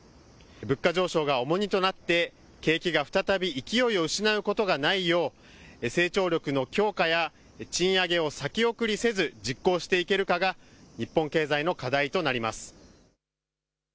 物価上昇が重荷となって景気が再び勢いを失うことがないよう成長力の強化や賃上げを先送りせず実行していけるかが日本経済の課題となります。